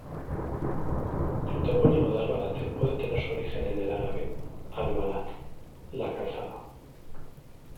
El topónimo de Albalate puede tener su origen en el árabe "al-balat", "la calzada".